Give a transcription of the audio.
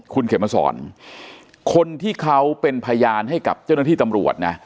คุณเขมสอนคนที่เขาเป็นพยานให้กับเจ้าหน้าที่ตำรวจนะ